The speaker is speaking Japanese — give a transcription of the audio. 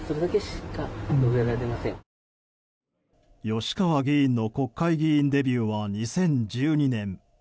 吉川議員の国会議員デビューは２０１２年。